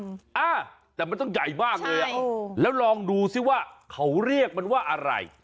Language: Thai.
อ่าแต่มันต้องใหญ่มากเลยอ่ะแล้วลองดูซิว่าเขาเรียกมันว่าอะไร